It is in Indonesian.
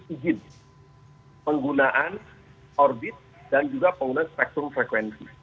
izin penggunaan orbit dan juga penggunaan spektrum frekuensi